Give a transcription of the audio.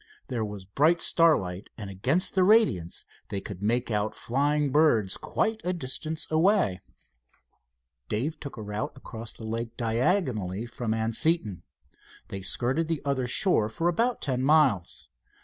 There was bright starlight, and against the radiance they could make out flying birds quite a distance away. Dave took a route across the lake diagonally from Anseton. They skirted the other shore for about ten miles.